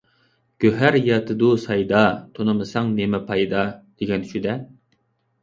«گۆھەر ياتىدۇ سايدا، تونۇمىساڭ نېمە پايدا» دېگەن شۇ-دە.